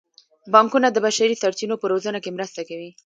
بانکونه د بشري سرچینو په روزنه کې مرسته کوي.